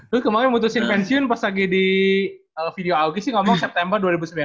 lu kemarin memutuskan pensiun pas lagi di video augie sih ngomong september dua ribu sembilan belas